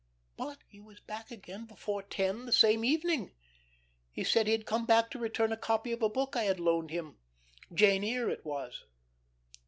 But he was back again before ten the same evening. He said he had come back to return a copy of a book I had loaned him 'Jane Eyre' it was.